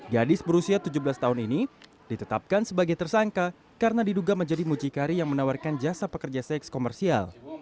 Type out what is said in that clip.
gadis berusia tujuh belas tahun ini ditetapkan sebagai tersangka karena diduga menjadi mucikari yang menawarkan jasa pekerja seks komersial